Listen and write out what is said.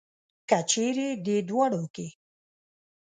که چېرې دې دواړو کې.